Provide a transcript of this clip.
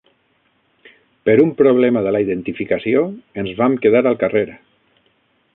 Per un problema de la identificació, ens vam quedar al carrer.